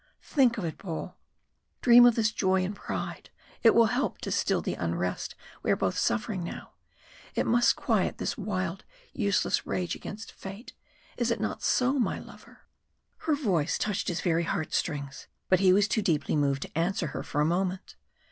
think of it, Paul. Dream of this joy and pride, it will help to still the unrest we are both suffering now. It must quiet this wild, useless rage against fate. Is it not so, my lover?" Her voice touched his very heartstrings, but he was too deeply moved to answer her for a moment.